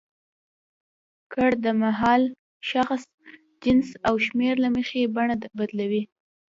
کړ د مهال، شخص، جنس او شمېر له مخې بڼه بدلوي.